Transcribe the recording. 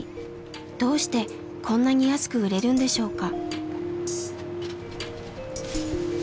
どうしてこんなに安く売れるんでしょうか。